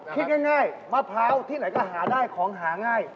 คิดง่ายมะพร้าวที่ไหนก็หาได้ของหาง่าย